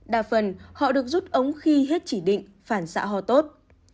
đa phần họ được rút ống khi hết chỉ định phản xạ ho tốt